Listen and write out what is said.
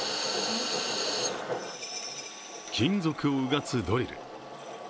金属をうがつドリル。